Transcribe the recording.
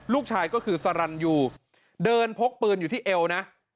ลูกชายก็คือสรรยูเดินพกปืนอยู่ที่เอวนะ